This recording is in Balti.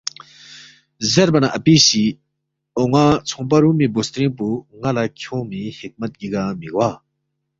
زیربا نہ اپی سی اون٘ا ژھونگپا رُومی بُوسترِنگ پو ن٘ا لہ کھیونگمی حکمت گِگا مِہ گوا؟